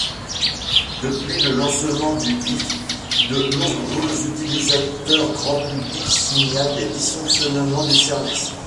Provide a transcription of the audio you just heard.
Depuis le lancement d'HubiC, de nombreux utilisateurs grand public signalent des dysfonctionnements du service.